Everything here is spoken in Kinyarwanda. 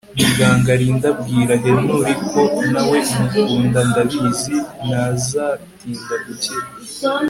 Muganga Linda bwira Henry ko nawe umukunda ndabizi ntazatinda gukira